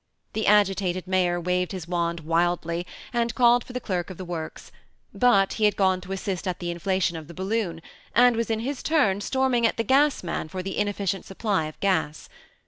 The agitated mayor waved his wand wildly, and called for the derk of the works ; but he had gone to assist at the inflation of the balloon, and was in his turn storming at the gas man for the inefficient supply of gas.